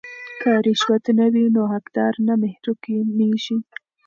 که رشوت نه وي نو حقدار نه محرومیږي.